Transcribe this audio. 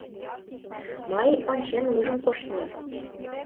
— Мый ончен-ужын коштнем.